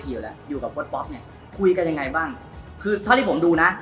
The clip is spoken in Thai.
อยู่แล้วอยู่กับโค้ดป๊อกเนี่ยคุยกันยังไงบ้างคือเท่าที่ผมดูนะ